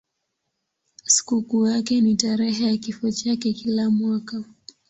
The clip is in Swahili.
Sikukuu yake ni tarehe ya kifo chake kila mwaka.